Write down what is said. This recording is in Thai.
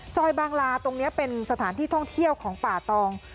บางลาตรงนี้เป็นสถานที่ท่องเที่ยวของป่าตอง